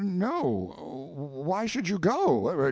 No why should you go?